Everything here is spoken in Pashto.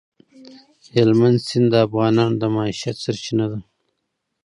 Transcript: هلمند سیند د افغانانو د معیشت سرچینه ده.